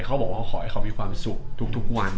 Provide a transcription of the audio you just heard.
เขาบอกว่าขอให้เขามีความสุขทุกวัน